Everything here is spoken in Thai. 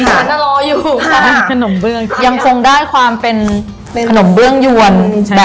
อีทาน่ารออยู่ค่ะ